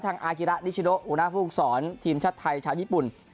ทางอากิระนิชโนอุณหภูมิศรทีมชาติไทยชาติญี่ปุ่น